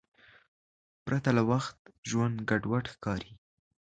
پرته له وخت ژوند ګډوډ ښکاري.